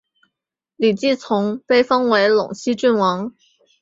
李继崇被封为陇西郡王。